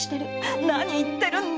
何を言ってるんだい